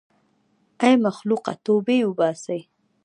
ای مخلوقه توبې وباسئ.